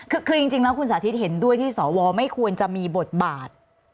คือจริงแล้วคุณสาธิตเห็นด้วยที่สวไม่ควรจะมีบทบาท